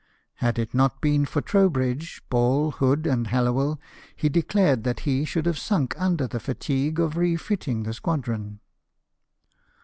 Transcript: Had it not been for Trow bridge, Ball, Hood, and Hallowell, he declared that he should have sunk under the fatigue of refitting the squadron.